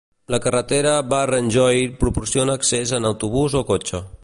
La carretera Barrenjoey proporciona accés en autobús o cotxe.